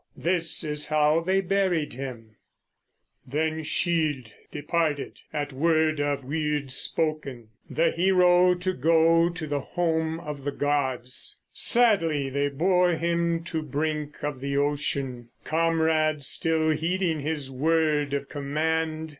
This is how they buried him: Then Scyld departed, at word of Wyrd spoken, The hero to go to the home of the gods. Sadly they bore him to brink of the ocean, Comrades, still heeding his word of command.